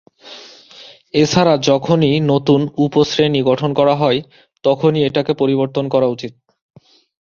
এছাড়া, যখনই নতুন উপশ্রেণী গঠন করা হয়, তখনই এটাকে পরিবর্তন করা উচিত।